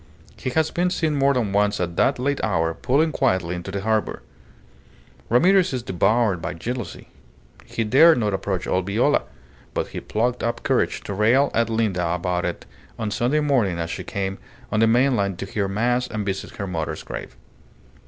He has been seen more than once at that late hour pulling quietly into the harbour. Ramirez is devoured by jealousy. He dared not approach old Viola; but he plucked up courage to rail at Linda about it on Sunday morning as she came on the mainland to hear mass and visit her mother's grave.